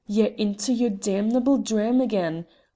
Ye're into your damnable dwaam again.